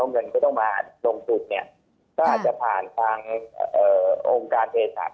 เงินเขาต้องมาลงสุดเนี้ยก็อาจจะผ่านทางเอ่อโครงการเภศัพท์